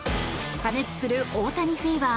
過熱する大谷フィーバー